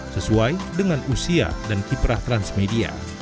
sesuai dengan usia dan kiprah transmedia